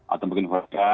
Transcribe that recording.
atau mungkin hodja